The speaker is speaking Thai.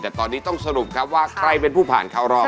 แต่ตอนนี้ต้องสรุปครับว่าใครเป็นผู้ผ่านเข้ารอบ